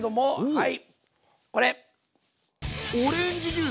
はい。